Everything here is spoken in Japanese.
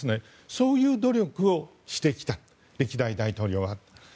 そういう努力をしてきた歴代大統領は。